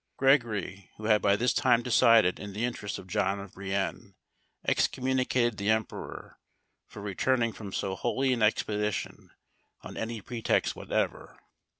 Gregory, who had by this time decided in the interest of John of Brienne, excommunicated the emperor for returning from so holy an expedition on any pretext whatever.